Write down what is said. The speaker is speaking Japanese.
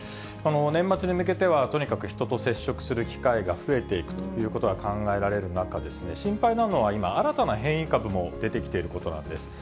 年末に向けては、とにかく人と接触する機会が増えていくということが考えられる中、心配なのは今、新たな変異株も出てきていることなんです。